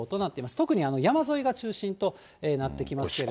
特に山沿いが中心となってきますけれども。